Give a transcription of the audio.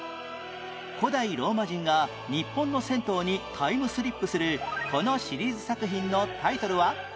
古代ローマ人が日本の銭湯にタイムスリップするこのシリーズ作品のタイトルは？